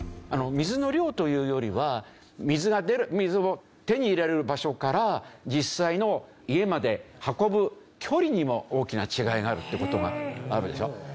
水の量というよりは水が出る水を手に入れられる場所から実際の家まで運ぶ距離にも大きな違いがあるって事があるでしょ。